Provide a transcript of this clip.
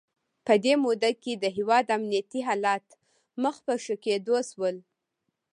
په دې موده کې د هیواد امنیتي حالات مخ په ښه کېدو شول.